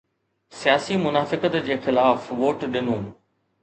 سياسي منافقت جي خلاف ووٽ ڏنو.